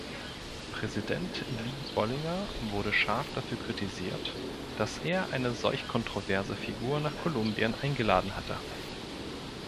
Präsident Lee Bollinger wurde scharf dafür kritisiert, dass er eine solch kontroverse Figur nach Kolumbien eingeladen hatte.